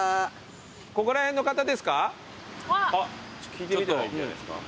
聞いてみたらいいんじゃないですか？